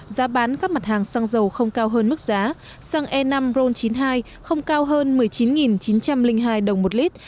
giá bán các mặt hàng xăng dầu không cao hơn mức giá xăng e năm ron chín mươi hai không cao hơn một mươi chín chín trăm linh hai đồng một lít